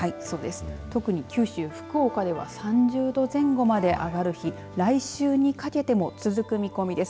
特に九州、福岡では３０度前後まで上がる日来週にかけても続く見込みです。